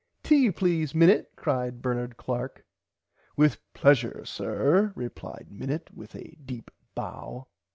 Tea please Minnit crid Bernard Clark. With pleshure sir replied Minnit with a deep bow.